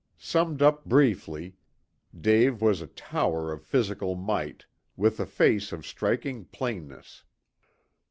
Summed up briefly, Dave was a tower of physical might, with a face of striking plainness.